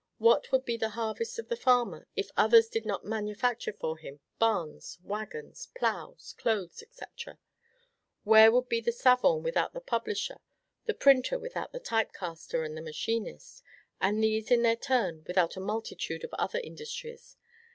What would be the harvest of the farmer, if others did not manufacture for him barns, wagons, ploughs, clothes, &c.? Where would be the savant without the publisher; the printer without the typecaster and the machinist; and these, in their turn, without a multitude of other industries?...